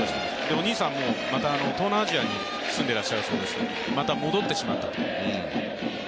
お兄さんもまた東南アジアに住んでいらっしゃるそうですけれども、また戻ってしまったと。